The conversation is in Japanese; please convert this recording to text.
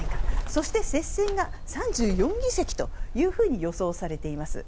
そして、接戦が３４議席というふうに予想されています。